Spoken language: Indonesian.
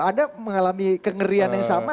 anda mengalami kengerian yang sama